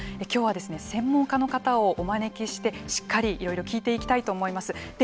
きょうは専門家の方をお招きしてしっかりいろいろ聞いていきたいと思います。